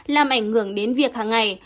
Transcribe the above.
làm ảnh hưởng đến việc hàng ngày